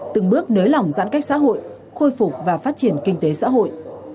từng bước nới lỏng giãn cách xã hội khôi phục và phát triển kinh tế xã hội